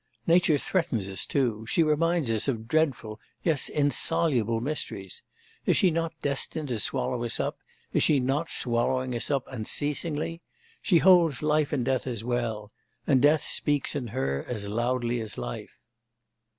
'Nature threatens us, too; she reminds us of dreadful... yes, insoluble mysteries. Is she not destined to swallow us up, is she not swallowing us up unceasingly? She holds life and death as well; and death speaks in her as loudly as life.